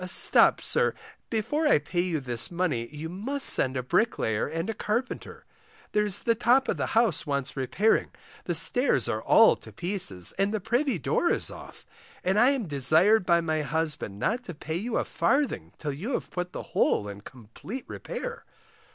Stop, sir, before I pay you this money, you must send a bricklayer and a carpenter; there's the top of the house wants repairing, the stairs are all to pieces, and the privy door is off, and I am desired by my husband not to pay you a farthing till you have put the whole in complete repair.